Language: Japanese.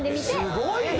すごいな！